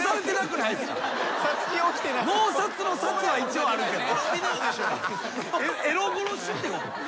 「悩殺」の「殺」は一応あるけど。